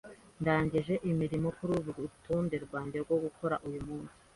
Ndangije imirimo kuri kurutonde rwanjye rwo gukora uyu munsi.